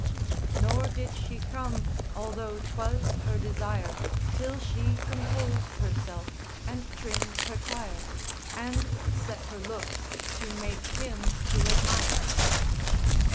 Nor did she come, although 'twas her desire, Till she compos'd herself, and trimm'd her tire, And set her looks to make him to admire.